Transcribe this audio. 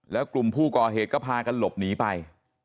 แล้วกลุ่มผู้ก่อเหตุก็พากันหลบหนีไป